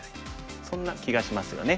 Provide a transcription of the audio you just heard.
そんな気がしますよね。